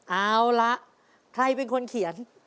เอาล่ะใครเป็นคนเขียน